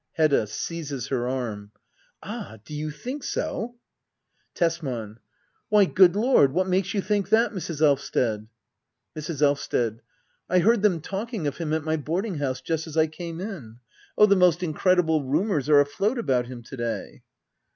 Hedda. [Seizes her arm.] Ah, — do you think so ! Tesman. Why, good Lord — what makes you think that, Mrs. Elvsted ? Mrs. Elvsted. I heard them talking of him at my boarding house — just as I came in. Oh, the most incredible rumours are afloat about him to day.